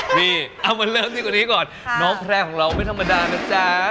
นี่เอามาเริ่มดีกว่านี้ก่อนน้องแพร่ของเราไม่ธรรมดานะจ๊ะ